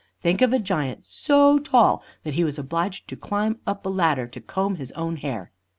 Think of a giant so tall that "he was obliged to climb up a ladder to comb his own hair."